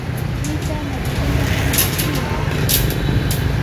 دې ته مدني مقاومت هم ویل کیږي.